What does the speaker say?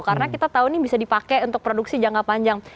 karena kita tahu ini bisa dipakai untuk produksi jangka panjang